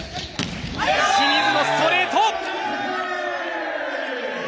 清水のストレート！